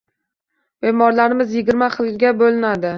Bemorlarimiz yigirma xilga bo‘linadi.